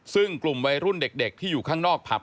ซึ่งกลุ่มวัยรุ่นเด็กที่อยู่ข้างนอกผับ